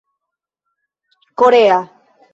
korea